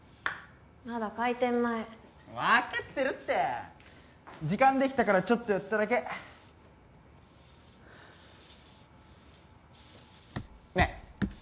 まだ開店前分かってるって時間できたからちょっと寄っただけねえ